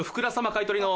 買い取りの。